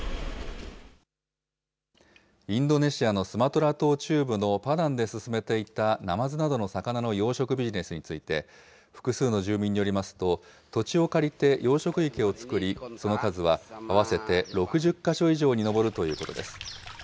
インドネシアのスマトラ島中部のパダンで進めていた、ナマズなどの魚の養殖ビジネスについて、複数の住民によりますと、土地を借りて養殖池を作り、その数は合わせて６０か所以上に上るということです。